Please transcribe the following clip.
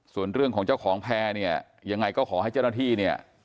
ส่วนเรื่องของเจ้าของแพรยังไงก็ขอให้เจ้าหน้าที่